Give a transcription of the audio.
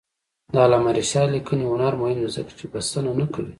د علامه رشاد لیکنی هنر مهم دی ځکه چې بسنه نه کوي.